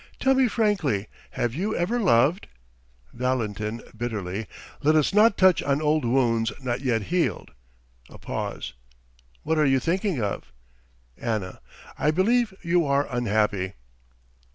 Tell me frankly, have you ever loved? VALENTIN (bitterly): Let us not touch on old wounds not yet healed. (A pause.) What are you thinking of? ANNA: I believe you are unhappy.